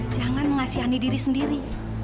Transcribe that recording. jangan mengasihani diri sendiri